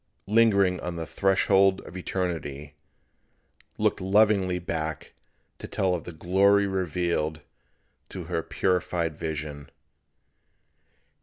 lingering on the threshold of eternity, looked lovingly back to tell of the glory revealed to her purified vision.